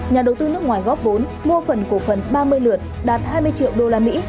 nhà đầu tư nước ngoài góp vốn mua phần cổ phần ba mươi lượt đạt hai mươi triệu usd